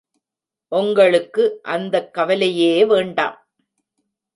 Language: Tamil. ஒங்களுக்கு அந்தக் கவலையே வேண்டாம்.